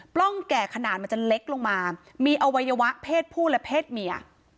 ร่องแก่ขนาดมันจะเล็กลงมามีอวัยวะเพศผู้และเพศเมีย